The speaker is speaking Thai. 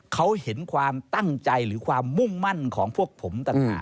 เขาเห็นความตั้งใจหรือความมุ่งมั่นของพวกผมต่างหาก